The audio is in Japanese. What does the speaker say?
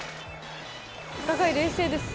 お互い冷静です。